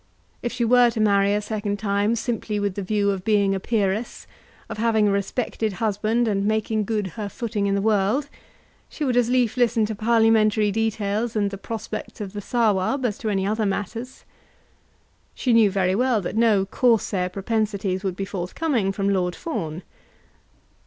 If she were to marry a second time simply with the view of being a peeress, of having a respected husband, and making good her footing in the world, she would as lief listen to parliamentary details and the prospects of the Sawab as to any other matters. She knew very well that no Corsair propensities would be forthcoming from Lord Fawn.